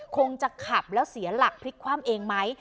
คงจะขับแล้วเสียหลักพลิกคว่ำเองไหม